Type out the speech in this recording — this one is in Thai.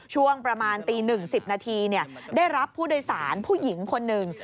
ช่วงประมาณตี๑๐นาทีได้รับผู้โดยสารผู้หญิงคนหนึ่ง